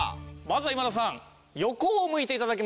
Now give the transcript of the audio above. まずは今田さん。